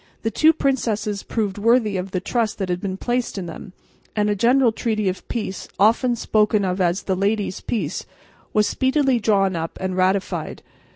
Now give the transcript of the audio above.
The two princesses proved worthy of the trust that had been placed in them, and a general treaty of peace, often spoken of as "the Ladies' Peace," was speedily drawn up and ratified.